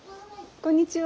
こんにちは。